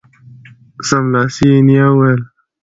سملاسي یې نیا وویل